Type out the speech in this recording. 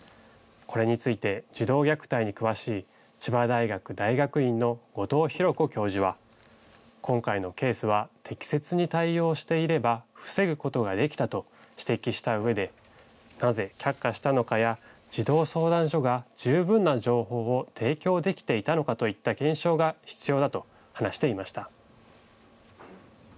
これについて児童虐待に詳しい千葉大学大学院の後藤弘子教授は今回のケースは適切に対応していれば防ぐことができたと指摘したうえでなぜ却下したのかや児童相談所が十分な情報を提供できていたのかといった検証が必要だと話していました。